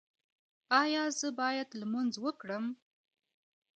ایا زه باید لمونځ وکړم؟